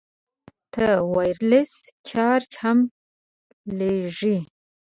موبایل ته وایرلس چارج هم لګېږي.